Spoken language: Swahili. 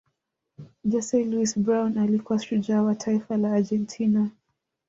jose luis brown alikuwa shujaa wa taifa la argentina